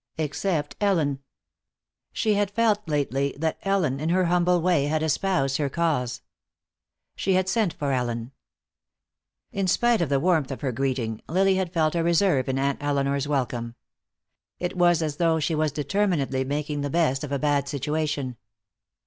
Except Ellen. She had felt lately that Ellen, in her humble way, had espoused her cause. She had sent for Ellen. In spite of the warmth of her greeting, Lily had felt a reserve in Aunt Elinor's welcome. It was as though she was determinedly making the best of a bad situation.